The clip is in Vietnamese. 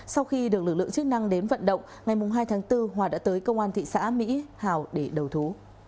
sau khi được lực lượng chức năng đến vận động ngày hai tháng bốn hòa đã tới công an thị xã mỹ hào để đầu thú